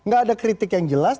gak ada kritik yang jelas